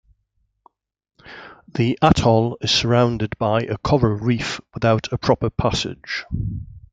The atoll is surrounded by a coral reef without a proper passage.